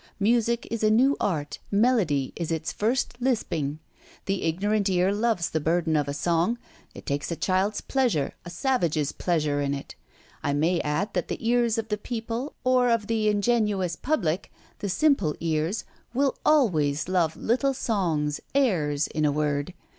Music is a new art, melody is its first lisping. The ignorant ear loves the burden of a song. It takes a child's pleasure, a savage's pleasure in it. I may add that the ears of the people or of the ingenuous public, the simple ears, will always love little songs, airs, in a word.